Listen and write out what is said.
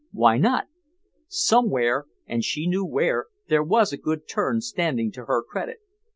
Why not? Somewhere, and she knew where, there was a good turn standing to her credit.